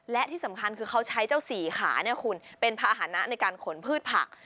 และที่สำคัญคือเขาใช้เจ้าสี่ขาเป็นพาหนะในการขนพืชผัก